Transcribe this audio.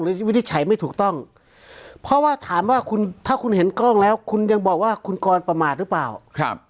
วินิจฉัยไม่ถูกต้องเพราะว่าถามว่าคุณถ้าคุณเห็นกล้องแล้วคุณยังบอกว่าคุณกรประมาทหรือเปล่าครับ